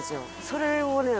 それをね